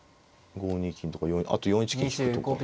５二金とかあと４一金引くとか。